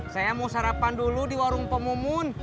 saya mau sarapan dulu di warung pemumun